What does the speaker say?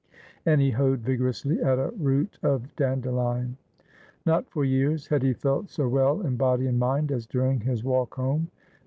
And he hoed vigorously at a root of dandelion. Not for years had he felt so well in body and mind as during his walk home.